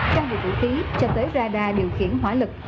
trang bị vũ khí cho tới radar điều khiển hỏa lực